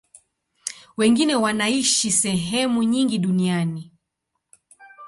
Wengine wanaishi sehemu nyingi duniani.